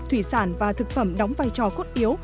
thủy sản và thực phẩm đóng vai trò cốt yếu